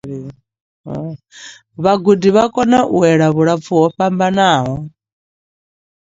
Vhagudi vha kona u ela vhulapfu ho fhambanaho.